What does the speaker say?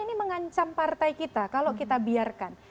ini mengancam partai kita kalau kita biarkan